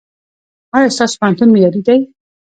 ایا ستاسو پوهنتون معیاري دی؟